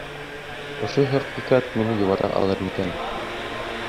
Ошо хәҡиҡәт мине йыуата алыр микән?